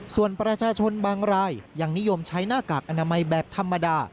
ส่วนประชาชนบางรายยังนิยมใช้หน้ากากอนามัยแบบธรรมดา